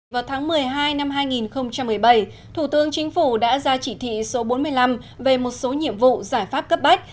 vào tháng một mươi hai năm hai nghìn một mươi bảy thủ tướng chính phủ đã ra chỉ thị số bốn mươi năm về một số nhiệm vụ giải pháp cấp bách